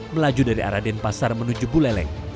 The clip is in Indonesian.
melaju dari arah denpasar menuju buleleng